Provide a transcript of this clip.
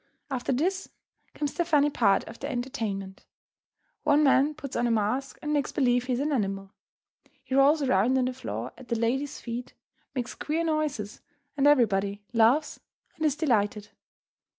After this comes the funny part of the entertainment. One man puts on a mask and makes believe he is an animal. He rolls around on the floor at the ladies' feet, makes queer noises, and everybody laughs and is delighted.